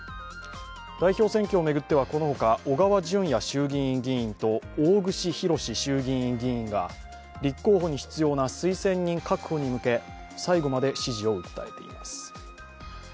代表選挙を巡ってはこの他、小川淳也衆院議員と大串博志衆院議員が立候補に必要な推薦人確保に向け最後まで支持を訴えています。